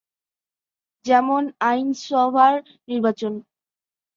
যেমন আইনসভার নির্বাচন।